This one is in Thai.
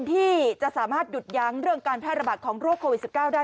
ที่จะสามารถหยุดยั้งเรื่องการแพร่ระบาดของโรคโควิด๑๙ได้